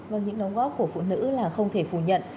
và những nông góp của phụ nữ là không thể phủ nhận